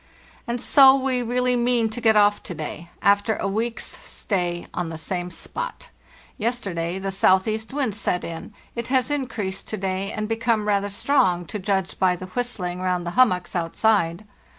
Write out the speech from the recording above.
"And so we really mean to get off to day, after a week's stay on the same spot. Yesterday the southeast wind set in; it has increased to day and become rather strong, to judge by the whistling round the hummocks outside.